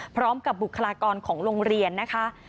พร้อมกับบุคลากรของโรงเรียนนะคะ